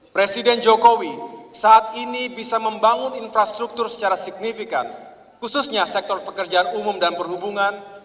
presiden jokowi saat ini bisa membangun infrastruktur secara signifikan khususnya sektor pekerjaan umum dan perhubungan